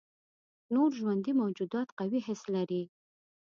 نور ژوندي موجودات قوي حس لري.